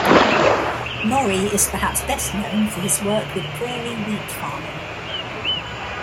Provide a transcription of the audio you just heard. Norrie is perhaps best known for his work with prairie wheat farming.